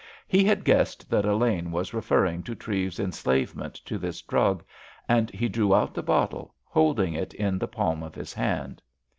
He had guessed that Elaine was referring to Treves's enslavement to this drug, and he drew out the bottle, holding it in the palm of his hand.